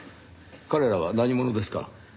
彼らは何者ですか？